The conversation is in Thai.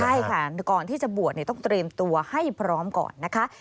ใช่ค่ะก่อนที่จะบวชต้องเตรียมตัวให้พร้อมก่อนนะคะ